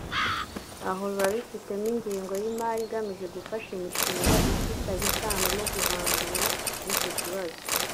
aho biba bifitemo ingengo y’imari igamije gufasha imishinga ifitanye isano no guhangana n’icyo kibazo